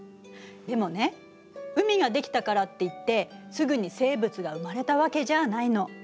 でもね海が出来たからっていってすぐに生物が生まれたわけじゃないの。